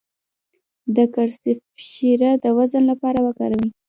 د کرفس شیره د وزن لپاره وکاروئ